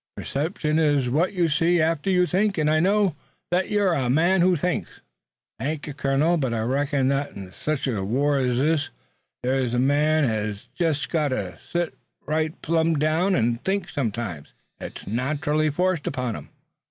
"Perception is what you see after you think, and I know that you're a man who thinks." "Thank you, colonel, but I reckon that in sech a war ez this a man hez jest got to set right plum' down, an' think sometimes. It's naterally forced upon him.